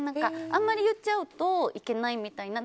あんまり言っちゃうといけないみたいな。